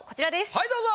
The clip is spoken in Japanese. はいどうぞ。